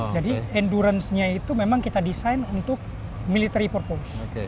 jadi endurance nya itu memang kita desain untuk military purpose